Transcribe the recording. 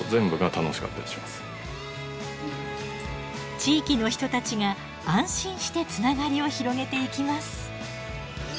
地域の人たちが安心してつながりを広げていきます。